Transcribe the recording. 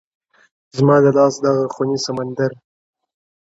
o زمـــــا د لاس دغـــــه خـــــونـــي سـمنــــــــدر ـ